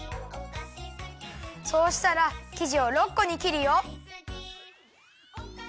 そうしたらきじを６こにきるよ。